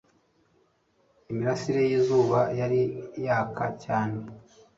Imirasire yizuba yari yaka cyane